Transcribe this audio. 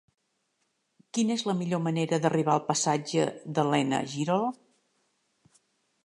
Quina és la millor manera d'arribar al passatge d'Elena Girol?